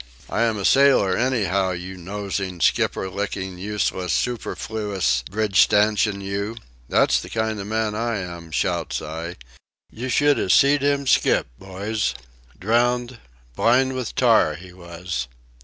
'I am a sailor, anyhow, you nosing, skipper licking, useless, sooperfloos bridge stanchion, you! That's the kind of man I am!' shouts I.... You should have seed him skip, boys! Drowned, blind with tar, he was!